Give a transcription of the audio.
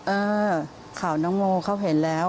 เออข่าวน้องโมเขาเห็นแล้ว